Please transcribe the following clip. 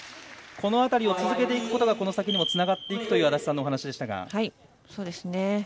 この辺りを続けていくことがこの先にもつながるという安達さんのお話でした。